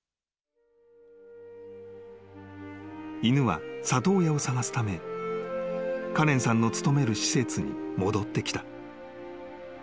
［犬は里親を探すためカレンさんの勤める施設に戻ってきた］